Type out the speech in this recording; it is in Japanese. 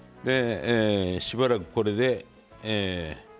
しばらく、これで。